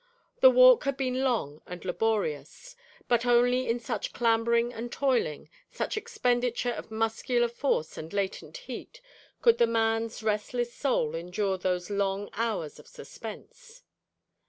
The walk had been long and laborious; but only in such clambering and toiling, such expenditure of muscular force and latent heat, could the man's restless soul endure those long hours of suspense.